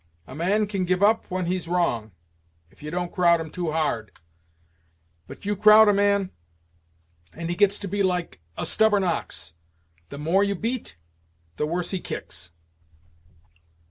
A man can give up when he's wrong, if you don't crowd him too hard; but you crowd a man, and he gets to be like a stubborn ox the more you beat, the worse he kicks."